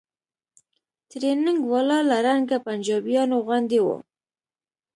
ټرېننگ والا له رنګه پنجابيانو غوندې و.